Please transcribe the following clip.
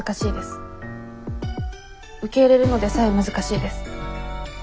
受け入れるのでさえ難しいです。